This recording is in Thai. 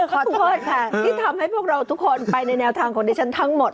ขอโทษค่ะที่ทำให้พวกเราทุกคนไปในแนวทางของดิฉันทั้งหมด